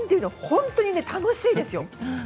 本当に楽しいですよ。